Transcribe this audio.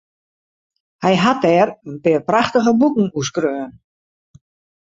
Hy hat dêr in pear prachtige boeken oer skreaun.